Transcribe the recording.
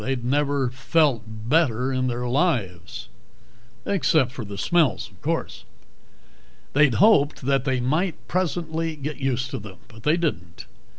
They'd never felt better in their lives. Except for the smells, of course. They'd hoped that they might, presently, get used to them. They didn't.